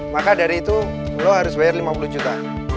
maka dari itu lo harus bayar lima puluh juta